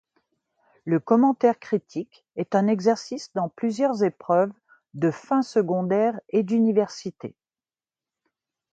Le commentaire critique est un exercice dans plusieurs épreuves de fin secondaire et d'université.